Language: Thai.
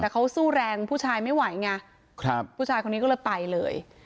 แต่เขาสู้แรงผู้ชายไม่ไหวไงครับผู้ชายคนนี้ก็เลยไปเลย